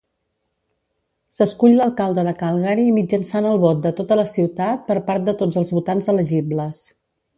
S'escull l'alcalde de Calgary mitjançant el vot de tota la ciutat per part de tots els votants elegibles.